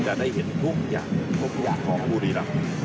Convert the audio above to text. จะได้เห็นทุกอย่างทุกอย่างของกูดีรัม